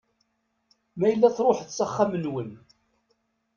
Ma yella truḥeḍ s axxam-nwen.